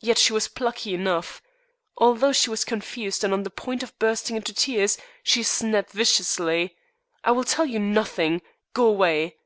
Yet she was plucky enough. Although she was confused and on the point of bursting into tears, she snapped viciously: "I will tell you nothing. Go away."